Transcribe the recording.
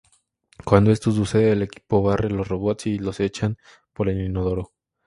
Cuando esto sucede, el equipo barre los robots y los echan por el inodoro.